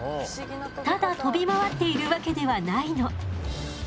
ただ飛び回っているわけではないの。